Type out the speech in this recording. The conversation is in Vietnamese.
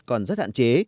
còn rất hạn chế